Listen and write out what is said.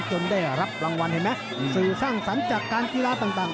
ได้รับรางวัลเห็นไหมสื่อสร้างสรรค์จากการกีฬาต่าง